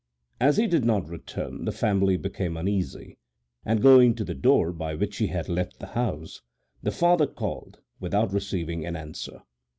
As he did not return, the family became uneasy, and going to the door by which he had left the house, his father called without receiving an answer.